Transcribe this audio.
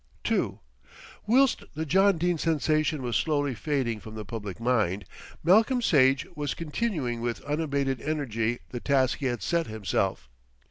II Whilst the John Dene sensation was slowly fading from the public mind, Malcolm Sage was continuing with unabated energy the task he had set himself.